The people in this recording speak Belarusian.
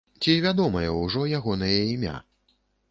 Ці вядомае ўжо ягонае імя?